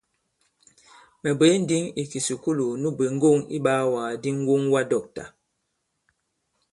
Mɛ̀ bwě ǹndǐŋ ì kìsùkulù nu bwě ŋgɔ̂ŋ iɓaawàgàdi ŋ̀woŋwadɔ̂ktà.